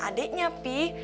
gara gara adiknya pi